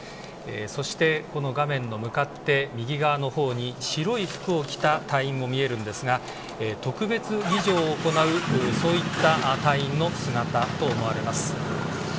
そして、画面の向かって右側のほうに白い服を着た隊員が見えるんですが特別儀仗を行うそういった隊員の姿だと思われます。